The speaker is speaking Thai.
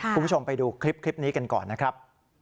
คุณผู้ชมไปดูคลิปนี้กันก่อนนะครับ